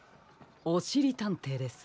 おしりたんていです。